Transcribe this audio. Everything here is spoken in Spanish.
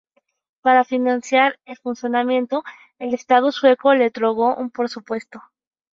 Para financiar el funcionamiento, el estado sueco le otorgó un presupuesto.